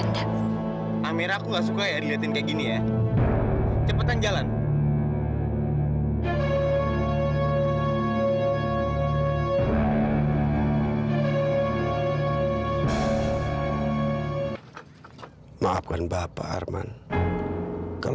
cuma serempet dikit aja ribet bang